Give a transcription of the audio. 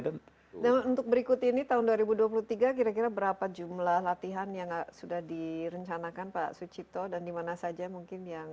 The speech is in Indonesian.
dan untuk berikut ini tahun dua ribu dua puluh tiga kira kira berapa jumlah latihan yang sudah direncanakan pak sucipto dan dimana saja mungkin yang